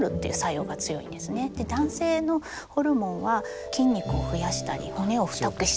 男性のホルモンは筋肉を増やしたり骨を太くしたり。